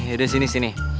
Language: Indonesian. yaudah sini sini